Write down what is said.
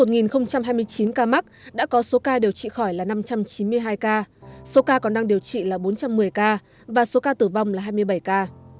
trong một hai mươi chín ca mắc đã có số ca điều trị khỏi là năm trăm chín mươi hai ca số ca còn đang điều trị là bốn trăm một mươi ca và số ca tử vong là hai mươi bảy ca